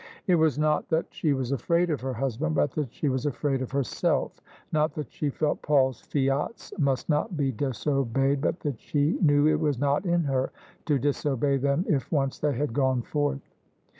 It was not that she was afraid of her husband, but that she was afraid of herself: not that she felt Paul's fiats must not be dis obeyed, but that she knew it was not in her to disobey them if once they had gone forth.